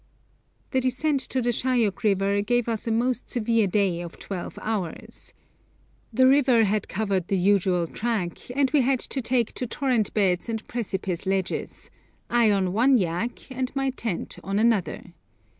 The descent to the Shayok River gave us a most severe day of twelve hours. The river had covered the usual track, and we had to take to torrent beds and precipice ledges, I on one yak, and my tent on another.